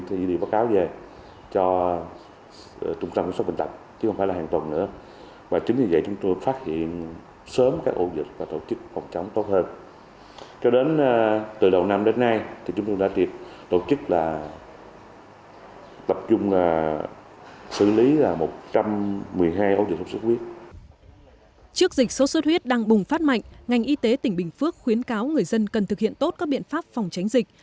trước dịch sốt xuất huyết đang bùng phát mạnh ngành y tế tỉnh bình phước khuyến cáo người dân cần thực hiện tốt các biện pháp phòng tránh dịch